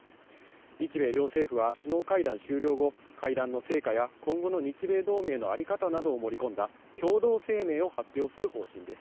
日米両政府は首脳会談終了後、会談の成果や、今後の日米同盟のあり方などを盛り込んだ、共同声明を発表する方針です。